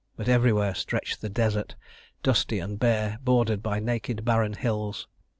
But everywhere stretched the desert, dusty and bare, bordered by naked barren hills.